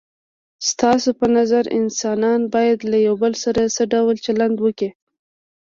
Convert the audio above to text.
ستاسو په نظر انسانان باید له یو بل سره څه ډول چلند وکړي؟